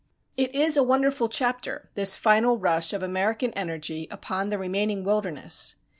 It is a wonderful chapter, this final rush of American energy upon the remaining wilderness.